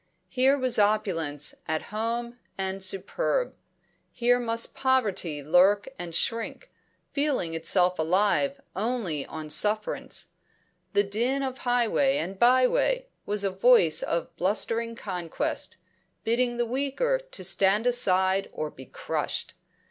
Here was opulence at home and superb; here must poverty lurk and shrink, feeling itself alive only on sufferance; the din of highway and byway was a voice of blustering conquest, bidding the weaker to stand aside or be crushed.